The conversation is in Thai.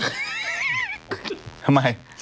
ทำไม